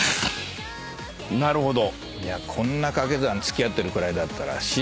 なるほど。